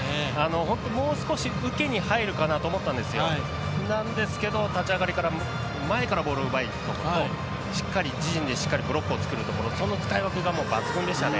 本当、もう少し受けに入るかなと思ったんですけどなんですけど立ち上がりから前からボールを奪いにいくのとしっかり自陣でしっかりブロックを作るところその使い分けが抜群でしたね。